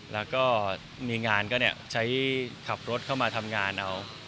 แล้วก็มีงานก็ใช้ขับรถเข้ามาทำงานเอา